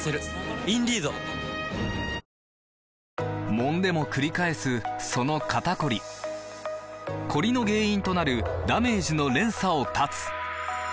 もんでもくり返すその肩こりコリの原因となるダメージの連鎖を断つ！